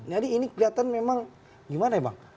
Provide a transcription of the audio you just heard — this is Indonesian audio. jadi ini kelihatan memang gimana ya bang